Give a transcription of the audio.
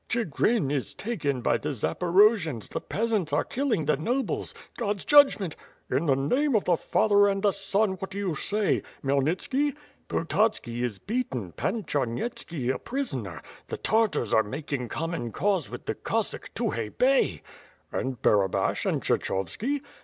"Chigrin is taken by the Zaporojians, the peasants are kill ing the nobles — God's judgment ..." "In the name of the Father and the Son, what do you say? Kheymlnitski?" "Pototski is beaten; Pan Charnyetski a prisoner; the Tar tars are making common cause with the Cossack, Tukhay Bey!" "And Barabash and Kshechovski?"